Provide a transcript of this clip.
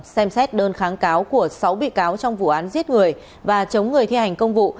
xem xét đơn kháng cáo của sáu bị cáo trong vụ án giết người và chống người thi hành công vụ